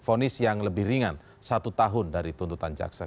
fonis yang lebih ringan satu tahun dari tuntutan jaksa